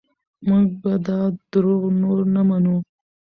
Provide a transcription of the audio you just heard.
موږ به دا دروغ نور نه منو.